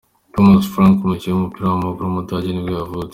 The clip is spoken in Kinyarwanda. Thomas Franck, umukinnyi w’umupira w’amaguru w’umudage nibwo yavutse.